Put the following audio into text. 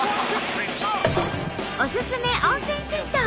おすすめ温泉銭湯